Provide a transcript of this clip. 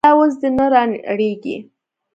دا اوس دې نه رانړېږي.